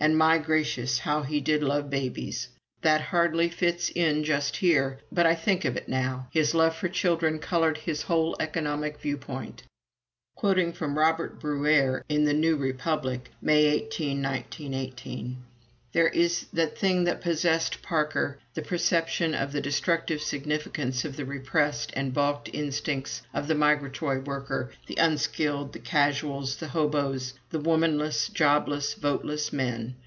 And, my gracious! how he did love babies! That hardly fits in just here, but I think of it now. His love for children colored his whole economic viewpoint. "There is the thing that possessed Parker the perception of the destructive significance of the repressed and balked instincts of the migratory worker, the unskilled, the casuals, the hoboes, the womanless, jobless, voteless men.